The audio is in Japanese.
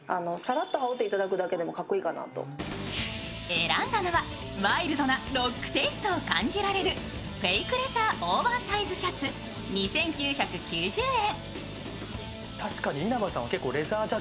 選んだのは、ワイルドなロックテイストを感じられるフェイクレザーオーバーサイズシャツ２９９０円。